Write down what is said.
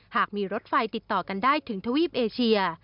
หากมีรถไฟติดต่อกันได้ถึงทวีปเอเชีย